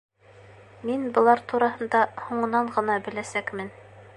Мин былар тураһында һуңынан ғына беләсәкмен.